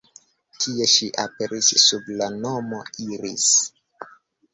Tie ŝi aperis sub la nomo Iris.